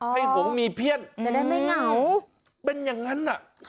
ให้ผมมีเพื่อนจะได้ไม่เหงาเป็นอย่างนั้นน่ะ